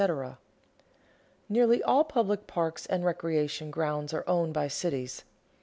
] Nearly all public parks and recreation grounds are owned by cities.